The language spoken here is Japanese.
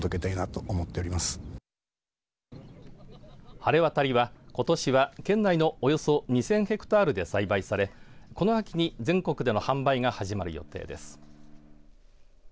はれわたりはことしは県内のおよそ２０００ヘクタールで栽培されこの秋に全国での販売が始まる予定です。